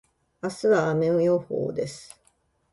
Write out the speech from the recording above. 明日は雨予報です。